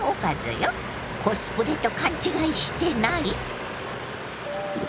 コスプレと勘違いしてない？